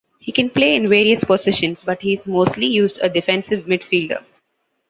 He can play in various positions but he is mostly used a defensive midfielder.